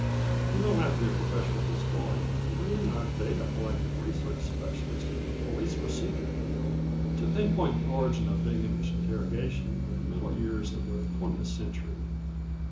You don't have to be a professional historian or even a data collecting research specialist in the police procedure field to pinpoint the origin of Big Image interrogation in the middle years of the twentieth century.